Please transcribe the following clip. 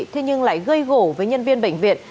thế nhưng lại gây gỗ với nhân viên bệnh viện